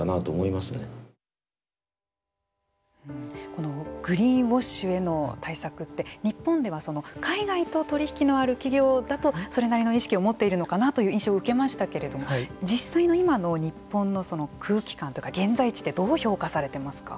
このグリーンウォッシュへの対策って日本では海外と取り引きのある企業だとそれなりの意識を持っているのかなという印象受けましたけれど実際の今の日本のその空気感というか現在値どう評価されてますか？